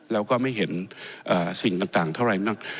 เราก็ไม่เห็นสิ่งต่างเท่าไรมาก